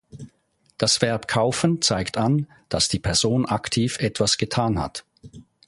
Das Verb "kaufen" zeigt an, dass die Person aktiv etwas getan hat.